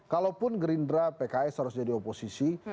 kalaupun gerindra pks harus jadi oposisi